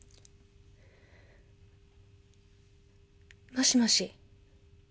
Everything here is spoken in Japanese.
☎もしもし。